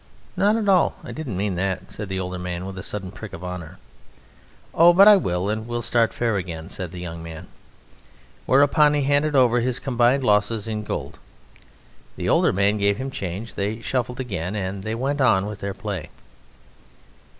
"Not at all, I didn't mean that," said the older man with a sudden prick of honour. "Oh, but I will, and we'll start fair again," said the young man. Whereupon he handed over his combined losses in gold, the older man gave him change, they shuffled again, and they went on with their play.